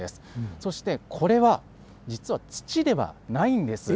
そしてこれは、実は土ではないんです。